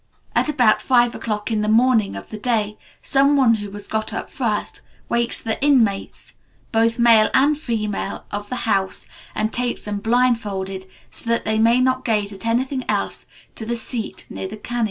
At about five o'clock in the morning of the day, some one who has got up first wakes the inmates, both male and female, of the house, and takes them blindfolded, so that they may not gaze at anything else, to the seat near the kani.